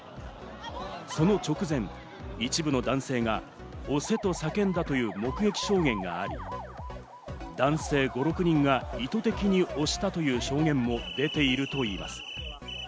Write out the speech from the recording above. その直前、一部の男性が「押せ！」と叫んだという目撃証言があり、男性５６人が意図的に押したという証言も出ているといいます。